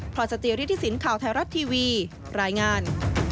พลังเตรียมที่สินทร์ข่าวไทยรัฐทีวีรายงาน